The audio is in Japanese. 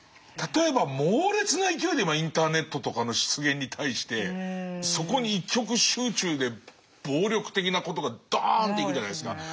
例えば猛烈な勢いで今インターネットとかの失言に対してそこに一極集中で暴力的なことがドーンといくじゃないですか。